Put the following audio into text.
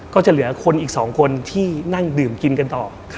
ก็จะเหลือคนอีก๒คนที่นั่งดื่มกินกันต่อ